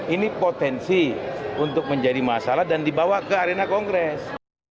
ini potensi untuk menjadi masalah dan dibawa ke arena kongres